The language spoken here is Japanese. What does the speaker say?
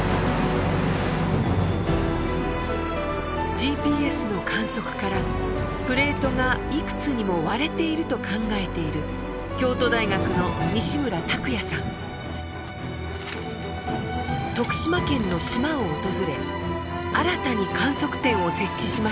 ＧＰＳの観測からプレートがいくつにも割れていると考えている徳島県の島を訪れ新たに観測点を設置しました。